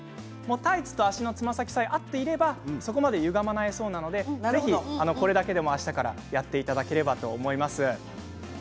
タイツと足のつま先さえ合っていればそこまでゆがまないそうなのでぜひ、これだけでも、あしたからやっていただければと思います。